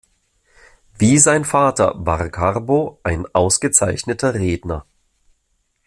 Wie sein Vater war Carbo ein ausgezeichneter Redner.